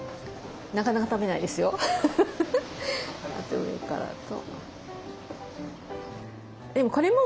あと上からと。